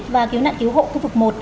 và cứu nạn cứu hộ khu vực một